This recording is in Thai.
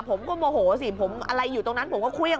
โมโหสิผมอะไรอยู่ตรงนั้นผมก็เครื่อง